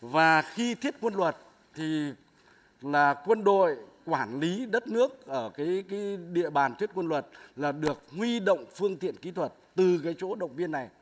và khi thiết quân luật thì là quân đội quản lý đất nước ở cái địa bàn thiết quân luật là được huy động phương tiện kỹ thuật từ cái chỗ động viên này